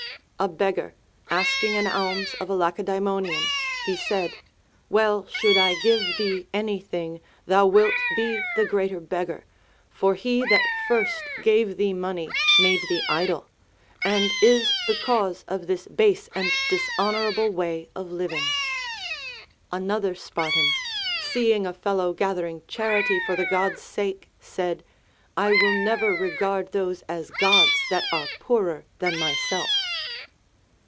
A beggar asking an alms of a Lacedaemonian, he said : AVell, should I give thee any thing, thou wilt be the greater beggar, for he that first gave thee money made thee idle, and is the cause of this base and dishonorable way of living. Another Spartan, seeing a fellow gathering charity for the Gods' sake, said, I will never regard those as Gods that are poorer than myself.